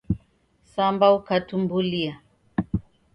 Samba ukatumbulia.